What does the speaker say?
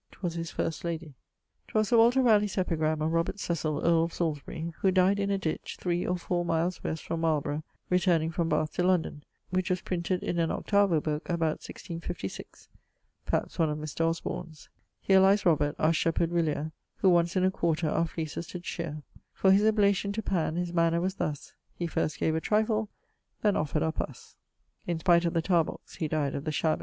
'Twas his first lady. 'Twas Sir Walter Ralegh's epigram on Robert Cecil, earle of Salisbury, who died in a ditch 3 or 4 miles west from Marleborough, returning from Bathe to London, which was printed in an 8vo booke about 1656 (perhaps one of Mr. Osborne's): Here lies Robert, our shepherd whilere, Who once in a quarter our fleeces did sheer: For his oblation to Pan his manner was thus, He first gave a trifle, then offred up us. In spight of the tarbox he dyed of the shabbo.